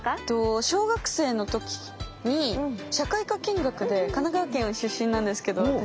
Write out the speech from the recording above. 小学生の時に社会科見学で神奈川県出身なんですけど私。